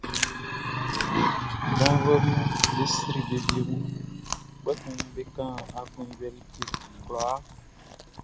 Janvuɛʼm be sri be wiengu, kpɛkun be kan aklunjuɛ like kwlaa.